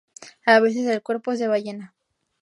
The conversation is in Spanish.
A veces el cuerpo es de ballena.